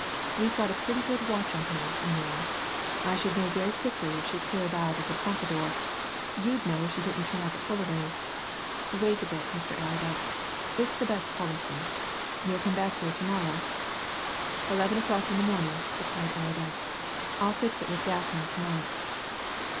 We've got a pretty good watch on her, you know. I should know very quickly if she cleared out of the Pompadour; you'd know if she didn't turn up at Fullaway's. Wait a bit, Mr. Allerdyke; it's the best policy. You'll come here to morrow?" "Eleven o'clock in the morning," replied Allerdyke. "I'll fix it with Gaffney to night."